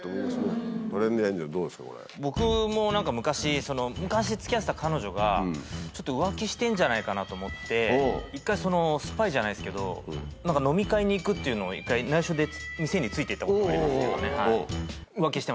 トレンディエンジェル、僕もなんか昔、昔つきあっていた彼女が、ちょっと浮気してるんじゃないかなと思って、一回、スパイじゃないですけど、飲み会に行くっていうのを、一回ないしょで店についていったことがありますよね。